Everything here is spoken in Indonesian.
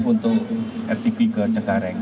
untuk rtb ke cengkareng